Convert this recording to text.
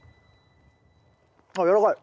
あっやわらかい。